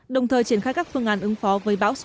đồng thời triển khai các phương án ứng phó với bão số sáu